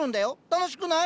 楽しくない？